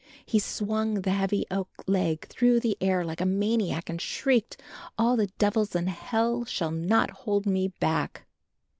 He swung the heavy oak leg through the air like a maniac and shrieked, "All the devils in Hell shall not hold me back."